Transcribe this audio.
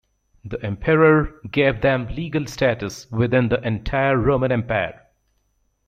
The emperor gave them legal status within the entire Roman Empire.